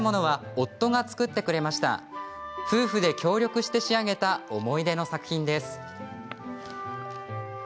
夫婦で協力して仕上げた思い出の作品です。